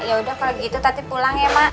ya udah kalau gitu nanti pulang ya mak